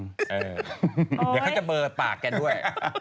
เดี๋ยวเขาจะเบอร์ปากแกด้วย